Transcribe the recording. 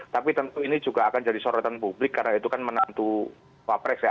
tapi tentu ini juga akan jadi sorotan publik karena itu kan menantu wapres ya